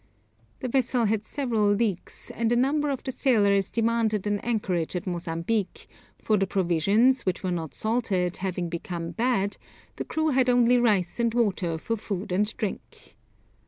The vessel had several leaks, and a number of the sailors demanded an anchorage at Mozambique, for the provisions which were not salted having become bad, the crew had only rice and water for food and drink.